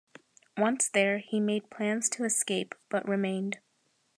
Once there he made plans to escape, but remained.